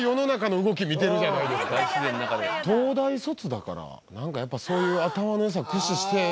東大卒だからやっぱそういう頭の良さ駆使してたり。